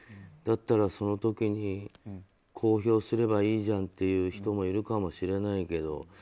だったら、その時公表すればいいじゃんって人もいるかもしれないけど